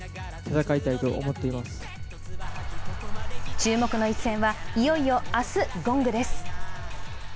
注目の一戦はいよいよ明日ゴングです。